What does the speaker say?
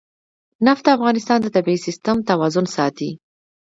نفت د افغانستان د طبعي سیسټم توازن ساتي.